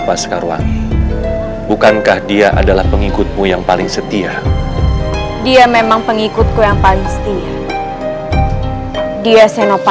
paman ini kesempatan kita